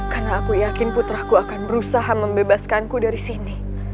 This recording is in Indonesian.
karena aku yakin putraku akan berusaha membebaskanku dari sini